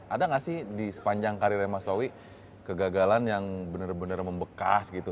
ada gak sih di sepanjang karirnya mas zowie kegagalan yang bener bener membekas gitu